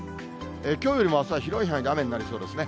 きょうよりもあすは広い範囲で雨になりそうですね。